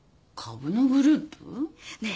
ねえ？